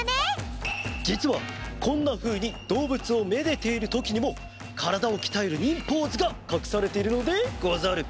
じつはこんなふうにどうぶつをめでているときにもからだをきたえる忍ポーズがかくされているのでござる！